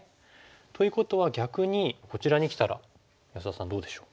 ということは逆にこちらにきたら安田さんどうでしょう？